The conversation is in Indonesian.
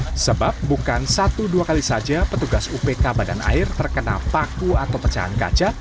karena bukan satu dua kali saja petugas upk badan air terkena paku atau pecahan kaca